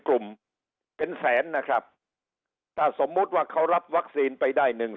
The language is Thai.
กลุ่มเป็นแสนนะครับถ้าสมมุติว่าเขารับวัคซีนไปได้หนึ่ง